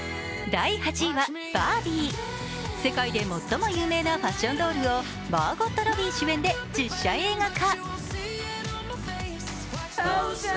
世界で最も有名なファッションドールをマーゴット・ロビー主演で実写映画化。